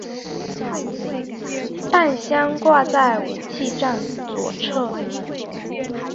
弹箱挂在武器站左侧。